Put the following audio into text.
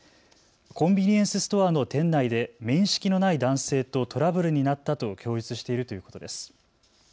コンビニエンスストアの店内で面識のない男性とトラブルになったと供述しているということです。